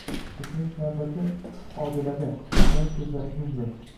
Yashirinish navbati Odilada. Husayin ko'zlarini yumdi.